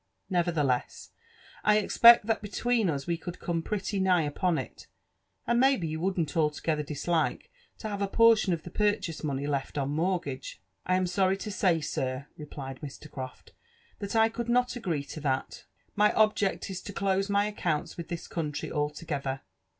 Nevertheless, I expect Ihi^ hetween us we could come pretty nigh upon it,«— and maybe you wouldn't altogether dislike to have a portion of the purchase money left on mortgage?*' *' I am sorry to say, sir," replied Mr. Croft, '4hat I could not agree to that. My object is to close my accounts with tl)is country al together.